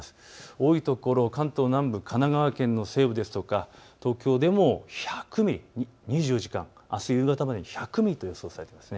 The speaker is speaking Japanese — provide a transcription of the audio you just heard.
多い所、関東南部、神奈川県の西部や東京でも１００ミリ、２４時間、あすの夕方までに１００ミリと予想されています。